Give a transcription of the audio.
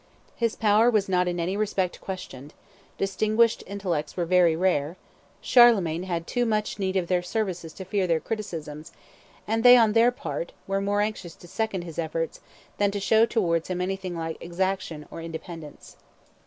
His power was not in any respect questioned; distinguished intellects were very rare; Charlemagne had too much need of their services to fear their criticisms, and they, on their part, were more anxious to second his efforts than to show towards him anything like exaction or independence.